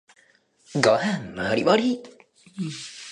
ご飯もりもり